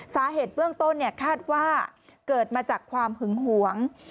สาเหตุเบื้องต้นคาดว่าเกิดมาจากความหึงหวง